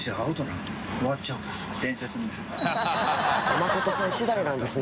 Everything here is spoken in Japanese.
誠さん次第なんですね。